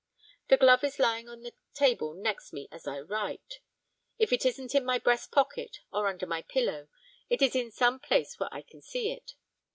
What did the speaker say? The glove is lying on the table next me as I write. If it isn't in my breast pocket or under my pillow, it is in some place where I can see it.